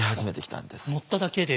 乗っただけで？